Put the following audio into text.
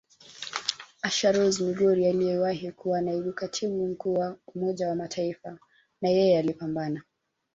Asha Rose Migiro aliyewahi kuwa Naibu Katibu Mkuu wa Umoja wa Mataifa nayeye alipambana